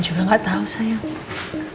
jangan nikah tuh sayang